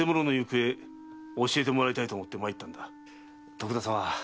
徳田様